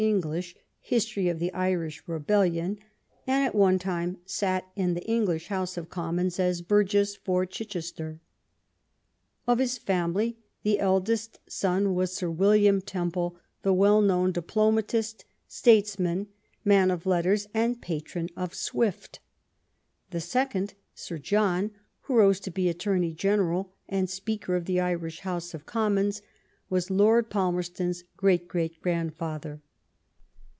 English History of the Irish Rebellion^ and at one time sat in the English Honse of Commons as burgess for Chichester. Of his fami]y, the eldest son was Sir William Temple, the well known diplomatist, statesman, man of letters, and patron of Swift; the second, Sir John, who rose to be Attorney General and Speaker of the Irish House of Commons, was Lord Palmerston's great great grandfather.